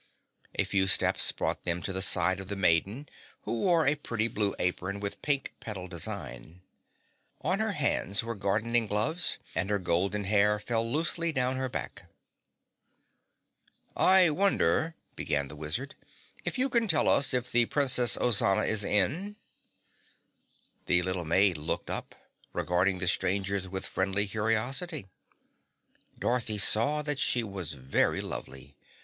A few steps brought them to the side of the maiden who wore a pretty blue apron with a pink petal design. On her hands were gardening gloves and her golden hair fell loosely down her back. "I wonder," began the Wizard, "if you can tell us if the Princess Ozana is in?" The little maid looked up, regarding the strangers with friendly curiosity. Dorothy saw that she was very lovely.